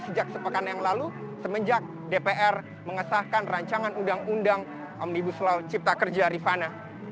sejak sepekan yang lalu semenjak dpr mengesahkan rancangan undang undang omnibus law cipta kerja rifana